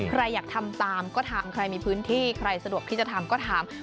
ใครอยากทำตามก็ถามใครมีพื้นที่ใครสะดวกที่จะทำก็ถาม